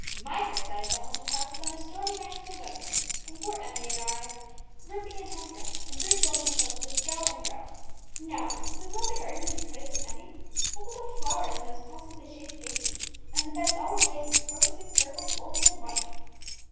"My first sight of the haunted house was on a stormy night in November, when poor Emmie and I arrived dripping and half drowned, and Bruce welcomed us home with a scowl and a growl. Now, Bruce, does not the garden do credit to Emmie? Look at the flowers in those classically shaped vases, and the beds all ablaze with crocuses, purple, golden, and white!"